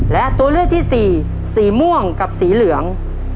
และตัวเลือกที่สี่สีม่วงกับสีเหลือง